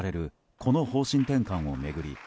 この方針転換を巡り